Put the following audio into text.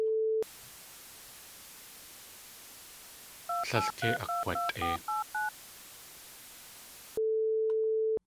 Tlél kei akg̲watʼei.